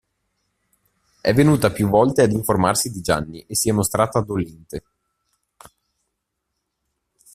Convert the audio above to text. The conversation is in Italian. È venuta più volte ad informarsi di Gianni e si è mostrata dolente.